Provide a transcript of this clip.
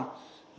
không chỉ để lại